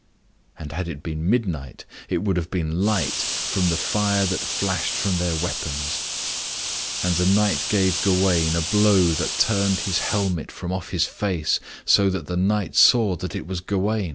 And had it been midnight, it would have been light, from the fire that flashed from their weapons. And the knight gave Gawain a blow that turned his helmet from off his face, so that the knight saw that it was Gawain.